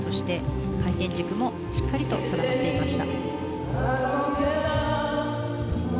回転軸もしっかりと定まっていました。